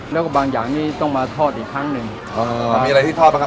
แล้วก็บางอย่างนี้ต้องมาทอดอีกครั้งหนึ่งอ่ามีอะไรที่ทอดบ้างครับ